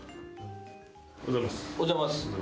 おはようございます。